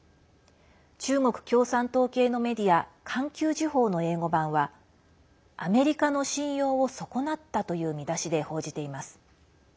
中国共産党系のメディア環球時報の英語版はアメリカの信用を損なったという見出しで報じています。